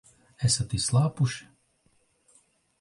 Esat izslāpuši?